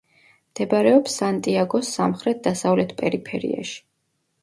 მდებარეობს სანტიაგოს სამხრეთ-დასავლეთ პერიფერიაში.